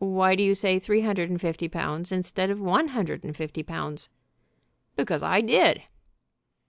"Why do you say three hundred and fifty pounds instead of one hundred and fifty pounds?" "Because I did."